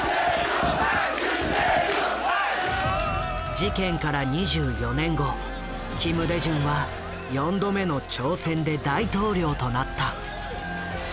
事件から２４年後金大中は４度目の挑戦で大統領となった。